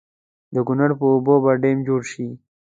د کنړ پر اوبو به ډېم جوړ شي.